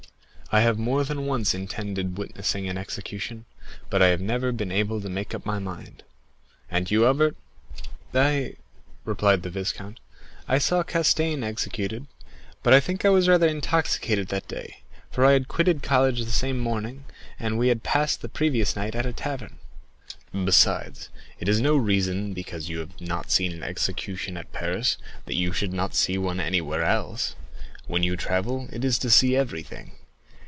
I have more than once intended witnessing an execution, but I have never been able to make up my mind; and you, Albert?" "I," replied the viscount,—"I saw Castaing executed, but I think I was rather intoxicated that day, for I had quitted college the same morning, and we had passed the previous night at a tavern." "Besides, it is no reason because you have not seen an execution at Paris, that you should not see one anywhere else; when you travel, it is to see everything.